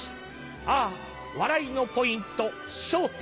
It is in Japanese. あぁ笑いのポイント『笑点』。